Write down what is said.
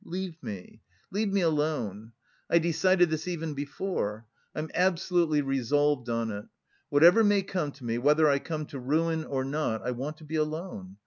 Leave me, leave me alone. I decided this even before... I'm absolutely resolved on it. Whatever may come to me, whether I come to ruin or not, I want to be alone.